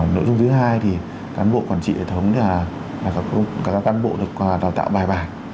nội dung thứ hai thì cán bộ quản trị hệ thống các cán bộ được đào tạo bài bản